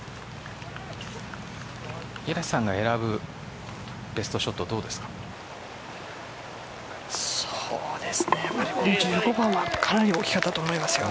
平瀬さんが選ぶベストショットはどうですか。